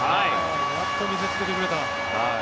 やっと見せつけてくれた。